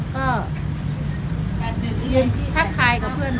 ก็ยินทักทายกับเพื่อนก็